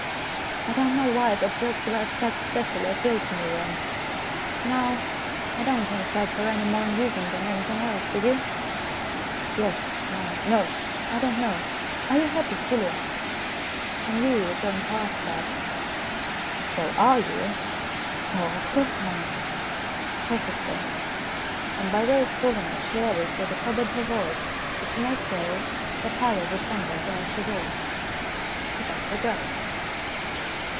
I don't know why, but jokes about cats specially appealed to me then. Now I don't think cats are any more amus ing than anything else, do you ?" "Yes no I don't know. Are you happy, Celia ?"" I knew you were going to ask that." "Well, are you?" " Oh, of course I am. Perfectly." And by way of proving it she added, with a sob in her voice, that she must go, that Harry would wonder where she was. He let her go.